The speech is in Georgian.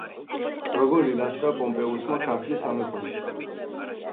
როგორ ილაშქრა პომპეუსმა ქართლის სამეფოში?